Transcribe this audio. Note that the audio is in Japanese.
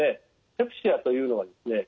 「ペプシア」というのはですね